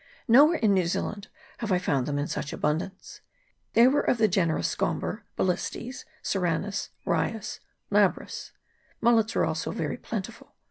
Nowhere in New Zealand have I found them in such abundance. They were of the genera Scomber, Balistes, Serranus, Raius, Labrus. Mullets also were very plentiful.